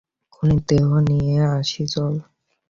খুনীর দেহ নিয়ে আসি চল!